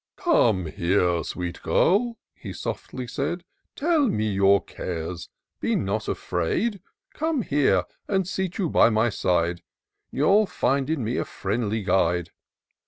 " Come here, sweet girl," he softly said ;" Tell me your cares — nor be afraid : Come here, and seat you by my side ; You'll find in me a friendly guide.